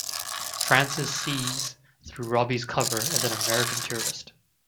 Frances sees through Robie's cover as an American tourist.